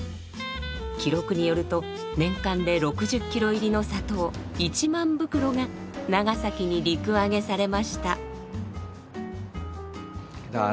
記録によると年間で６０キロ入りの砂糖１万袋が長崎に陸揚げされました。